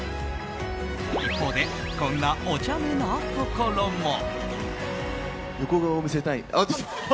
一方でこんなおちゃめなところも。